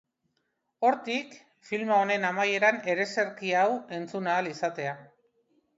Hortik, filma honen amaieran ereserkia hau entzun ahal izatea.